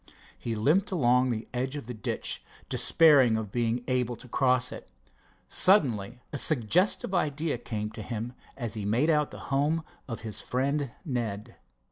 He limped along the edge of the ditch, despairing of being able to cross it. Suddenly a suggestive idea came to him as he made out the home of his friend, Ned.